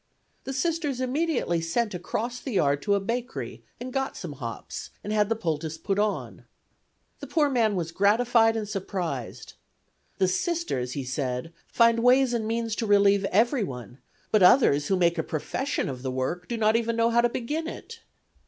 The Sisters immediately sent across the yard to a bakery and got some hops and had the poultice put on. The poor man was gratified and surprised. "The Sisters," he said, "find ways and means to relieve everyone, but others who make a profession of the work do not even know how to begin it."